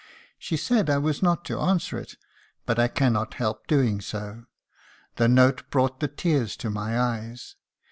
She said I was not to answer it, but I cannot help doing so. The note brought the tears to my eyes.